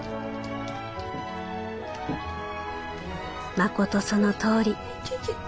「まことそのとおり。